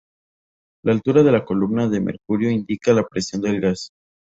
La altura de la columna de mercurio indica la presión del gas.